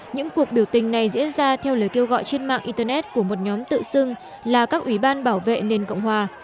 những cuộc biểu tình này diễn ra theo lời kêu gọi trên mạng internet của một nhóm tự xưng là các ủy ban bảo vệ nền cộng hòa